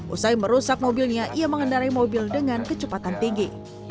usai merusak mobilnya ia mengendarai mobil dengan kecepatan tinggi